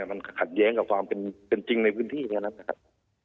มันขัดแย้งกับความเป็นจริงในพื้นที่แค่นั้นนะครับ